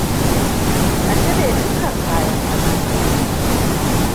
A cire dukan kayan ado.